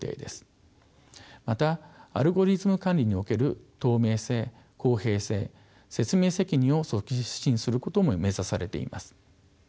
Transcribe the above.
またアルゴリズム管理における透明性公平性説明責任を促進することも目指されています。